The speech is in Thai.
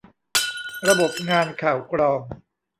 ระบบงานข่าวกรอง